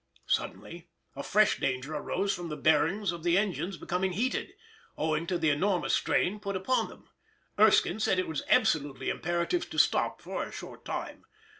Suddenly a fresh danger arose from the bearings of the engines becoming heated, owing to the enormous strain put upon them. Erskine said it was absolutely imperative to stop for a short time.